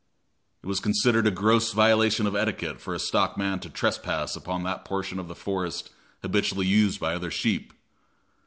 It was considered a gross violation of etiquette for a stockman to trespass upon that portion of the forest habitually used by other sheep.